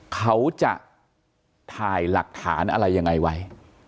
เขาจะถ่ายหลักฐานอะไรยังไงไว้